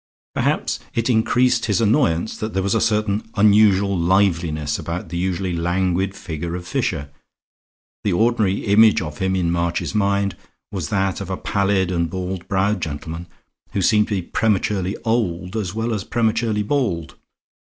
Perhaps it increased his annoyance that there was a certain unusual liveliness about the usually languid figure of Fisher. The ordinary image of him in March's mind was that of a pallid and bald browed gentleman, who seemed to be prematurely old as well as prematurely bald.